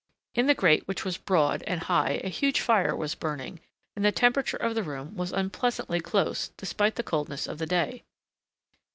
In the grate which was broad and high a huge fire was burning and the temperature of the room was unpleasantly close despite the coldness of the day.